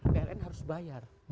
pln harus bayar